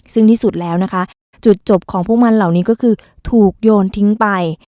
ซึ่งที่สุดแล้วนะคะจุดจบของพวกมันเหล่านี้ก็คือถูกโยนทิ้งไป